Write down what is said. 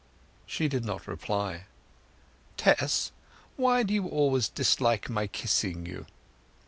She did not reply. "Tess, why do you always dislike my kissing you?"